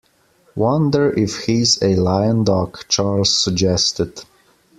Wonder if he's a lion dog, Charles suggested.